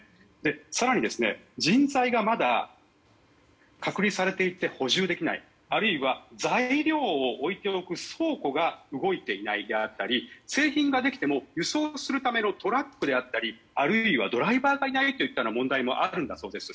更に、人材がまだ隔離されていて補充できない、あるいは材料を置いておく倉庫が動いていなかったり製品ができても輸送するためのトラックであったりあるいはドライバーがいないという問題もあるんだそうです。